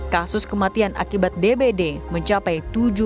kasus kematian akibat dbd mencapai tujuh puluh delapan sembilan puluh sembilan